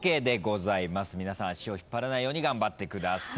皆さん足を引っ張らないように頑張ってください。